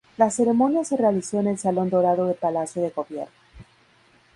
La ceremonia se realizó en el Salón Dorado de Palacio de Gobierno.